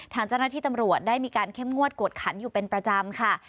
ทางเจ้าหน้าที่ตำรวจได้มีการเข้มงวดกวดขันอยู่เป็นประจำค่ะ